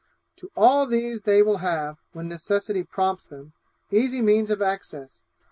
To all these they will have, when necessity prompts them, easy means of access.